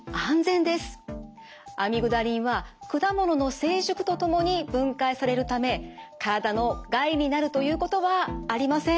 アミグダリンは果物の成熟とともに分解されるため体の害になるということはありません。